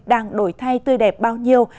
đang đổi thay tươi đẹp bao nhiêu